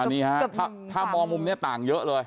นี่ฮะถ้ามองมุมนี้ต่างเยอะเลย